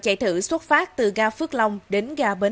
hẹn gặp lại